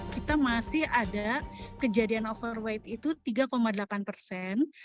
kita masih ada kejadian overweight itu tiga delapan persen